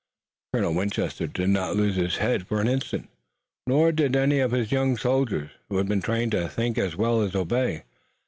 Colonel Winchester did not lose his head for an instant, nor did any of his young soldiers, who had been trained to think as well as obey.